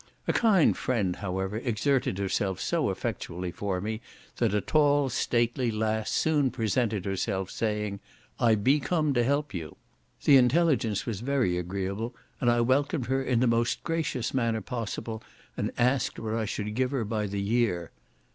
A kind friend, however, exerted herself so effectually for me, that a tall stately lass soon presented herself, saying, "I be come to help you." The intelligence was very agreeable, and I welcomed her in the most gracious manner possible, and asked what I should give her by the year.